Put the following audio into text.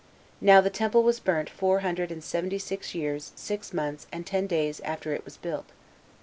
Now the temple was burnt four hundred and seventy years, six months, and ten days after it was built.